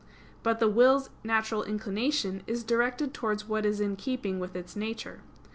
But the will's natural inclination is directed towards what is in keeping with its nature.